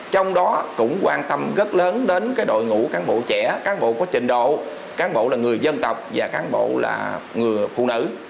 trong đó cũng quan tâm rất lớn đến đội ngũ cán bộ trẻ cán bộ có trình độ cán bộ là người dân tộc và cán bộ là người phụ nữ